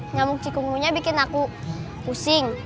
nyamuk cikungunya bikin aku pusing